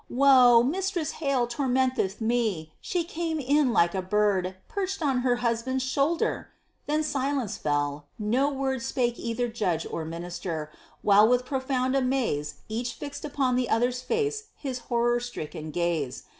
"Woe! Mistress Hale tormenteth me! She came in like a bird, Perched on her husband's shoulder!" Then silence fell; no word Spake either judge or minister, while with profound amaze Each fixed upon the other's face his horror stricken gaze.